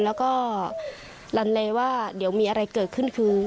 แล้วก็ลันเลว่าเดี๋ยวมีอะไรเกิดขึ้นคือ